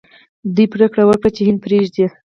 دوی پریکړه وکړه چې هند پریږدي.